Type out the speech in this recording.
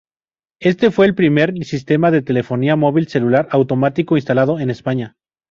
Este fue el primer sistema de telefonía móvil celular automático instalado en España.